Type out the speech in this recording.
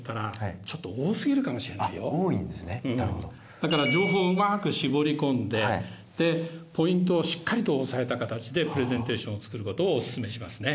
だから情報をうまく絞り込んででポイントをしっかりと押さえた形でプレゼンテーションを作ることをおすすめしますね。